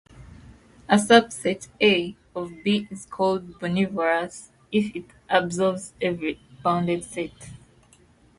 A subset "A" of "B" is called bornivorous if it absorbs every bounded set.